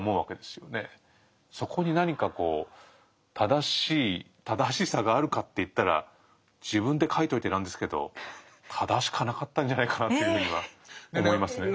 そこに何かこう正しい正しさがあるかっていったら自分で書いといてなんですけど正しくはなかったんじゃないかなというふうには思いますね。